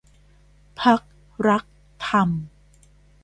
พรรครักษ์ธรรม